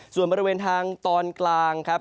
ส่วนบริเวณทางตอนกลางครับ